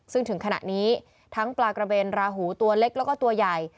ซึ่งถึงขณะนี้ทั้งปลากระเบนราหูตัวเล็กแล้วก็ตัวใหญ่